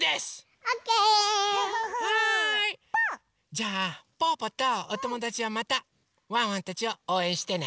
じゃあぽぅぽとおともだちはまたワンワンたちをおうえんしてね！